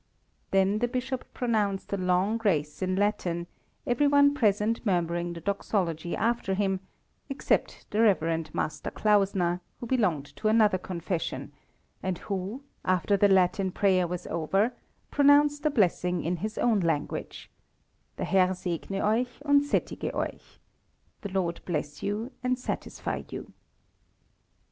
Then the bishop pronounced a long grace in Latin, every one present murmuring the Doxology after him, except the Rev. Master Klausner, who belonged to another confession, and who, after the Latin prayer was over, pronounced a blessing in his own language: "Der Herr segne euch und sättige euch!" [Footnote 19: "The Lord bless you and satisfy you!"